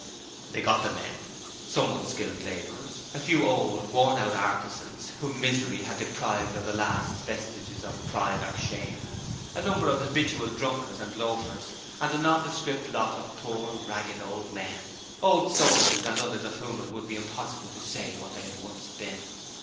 They got the men; some unskilled labourers, a few old, worn out artisans whom misery had deprived of the last vestiges of pride or shame; a number of habitual drunkards and loafers, and a non descript lot of poor ragged old men old soldiers and others of whom it would be impossible to say what they had once been.